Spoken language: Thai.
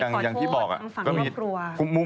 ถึงฝั่งรับรัว